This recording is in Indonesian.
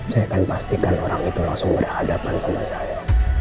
saya akan pastikan orang itu langsung berhadapan sama saya